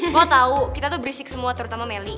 gue tau kita tuh berisik semua terutama melly